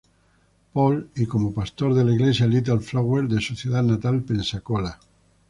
Paul y como pastor de la Iglesia Little Flower de su ciudad natal "Pensacola".